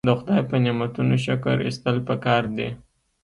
د خدای په نعمتونو شکر ایستل پکار دي.